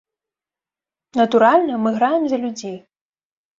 Натуральна, мы граем за людзей.